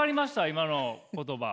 今の言葉？